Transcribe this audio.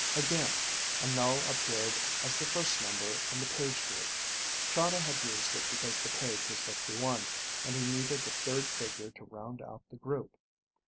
Again, a null appeared as the first number in the page group. Chahda had used it because the page was 51 and he needed a third figure to round out the group.